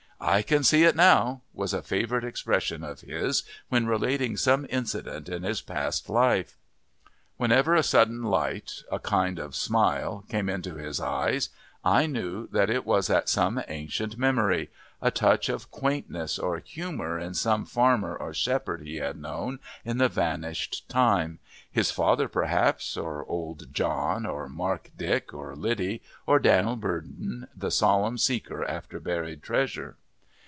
"I can see it now," was a favourite expression of his when relating some incident in his past life. Whenever a sudden light, a kind of smile, came into his eyes, I knew that it was at some ancient memory, a touch of quaintness or humour in some farmer or shepherd he had known in the vanished time his father, perhaps, or old John, or Mark Dick, or Liddy, or Dan'l Burdon, the solemn seeker after buried treasure.